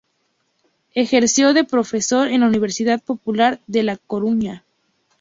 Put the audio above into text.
Ejerció de profesor en la Universidad Popular de La Coruña.